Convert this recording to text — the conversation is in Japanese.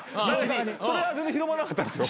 それは全然広まらなかったですよ。